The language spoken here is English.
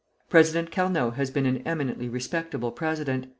] President Carnot has been an eminently respectable president.